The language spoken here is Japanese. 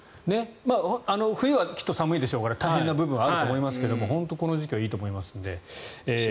冬はきっと寒いでしょうから大変な部分はあると思いますが本当にこの時期はいいと思いますので。